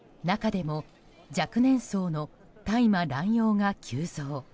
中でも若年層の大麻乱用が急増。